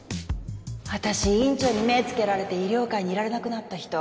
私院長に目つけられて医療界にいられなくなった人